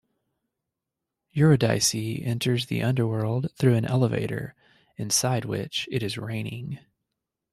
Eurydice enters the Underworld through an elevator, inside which it is raining.